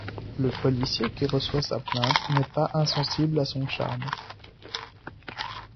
Le policier qui reçoit sa plainte n'est pas insensible à son charme.